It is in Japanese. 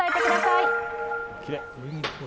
きれい。